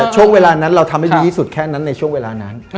ช่วงเวลานั้นเราทำให้ดีที่สุดแค่นั้นในช่วงเวลานั้น